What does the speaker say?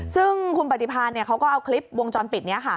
ซึ่งคุณปฏิพันธ์เขาก็เอาคลิปวงจรปิดนี้ค่ะ